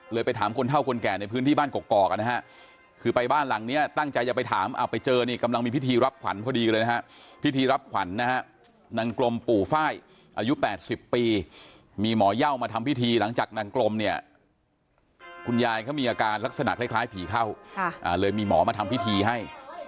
เรียบรับควรนะฮะนางกลมปู่ฝ้ายอายุ๘๐ปีมีหมอยาวมาทำพิธีหลังจากนางกลมนะคุณยายก็มีอาการลักษณะคล้ายผิดเข้าเลยมีหมอมาทำพิธีให้